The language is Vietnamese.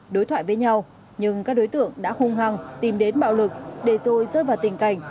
đối thoại với nhau nhưng các đối tượng đã hung hăng tìm đến bạo lực để rồi rơi vào tình cảnh